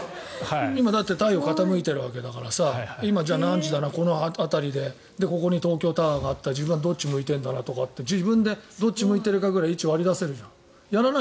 今、だって太陽が傾いているわけだから今、何時だなこの辺りでここに東京タワーがあったら自分はどっち向いてるとか自分でどっち向いてるかぐらい位置を割り出せるじゃない。